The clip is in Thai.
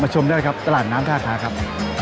มาชมได้ครับตลาดน้ำภาคศาสตร์ครับ